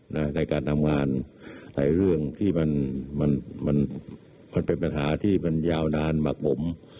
ในการทำงานหลายเรื่องที่มันมันเป็นปัญหาที่มันยาวนานหมักผม